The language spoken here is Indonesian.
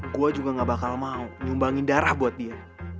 gue juga gak bakal mau nyumbangin darah buat dia